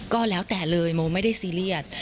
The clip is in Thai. ก็แล้วแต่เลยโมไม่ได้ซีเรียส